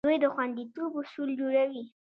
دوی د خوندیتوب اصول جوړوي.